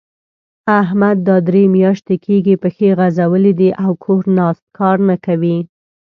احمد دا درې مياشتې کېږي؛ پښې غځولې دي او کور ناست؛ کار نه کوي.